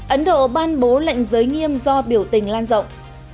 ấn độ ban bố lệnh giới nghiêm do biểu tình lan rộng